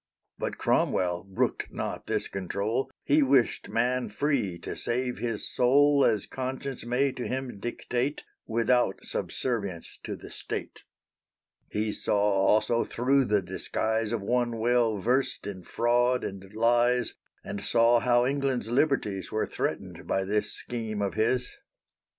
But Cromwell brooked not this control; He wished man free to save his soul As conscience may to him dictate, Without subservience to the State. He saw also thro' the disguise Of one well versed in fraud and lies, And saw how England's liberties Were threatened by this scheme of his.